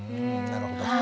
なるほど。